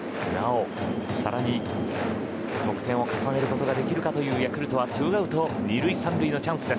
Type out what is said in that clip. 更に得点を重ねることができるのかというヤクルトはツーアウト２塁３塁のチャンス。